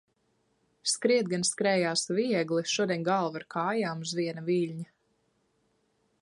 Skriet gan skrējās viegli, šodien galva ar kājām uz viena viļņa.